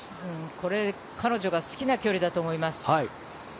これ彼女が好きな距離だと思います。